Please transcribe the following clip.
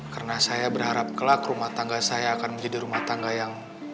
karena saya berharap kelak rumah tangga saya akan menjadi rumah tangga yang